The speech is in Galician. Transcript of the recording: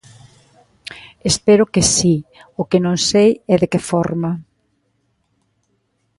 Espero que si, o que non sei é de que forma.